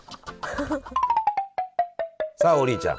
さあ王林ちゃん。